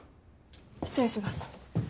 ・失礼します。